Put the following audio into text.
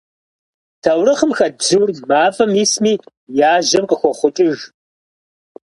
Таурыхъым хэт бзур, мафӀэм исми, яжьэм къыхохъукӀыж.